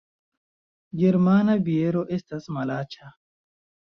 Germana biero estas malaĉa